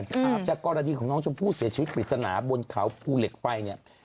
อาจจะกรดีของน้องชมพูดเสียชีวิตกลิสนาบนเขาพูดเหล็กไฟ